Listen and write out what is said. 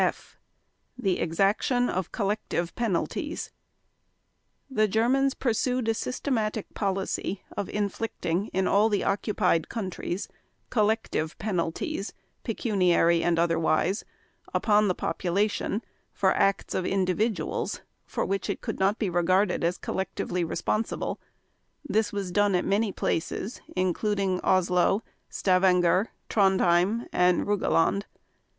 (F) THE EXACTION OF COLLECTIVE PENALTIES The Germans pursued a systematic policy of inflicting, in all the occupied countries, collective penalties, pecuniary and otherwise, upon the population for acts of individuals for which it could not be regarded as collectively responsible; this was done at many places, including Oslo, Stavanger, Trondheim, and Rogaland.